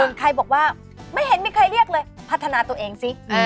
ส่วนใครบอกว่าไม่เห็นมีใครเรียกเลยพัฒนาตัวเองสิ